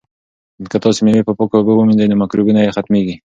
که تاسي مېوې په پاکو اوبو ومینځئ نو مکروبونه یې ختمیږي.